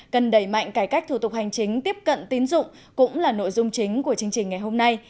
cần đẩy mạnh cải cách thủ tục hành chính tiếp cận tín dụng cũng là nội dung chính của chương trình ngày hôm nay